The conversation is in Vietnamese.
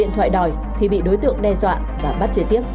điện thoại đòi thì bị đối tượng đe dọa và bắt chế tiếp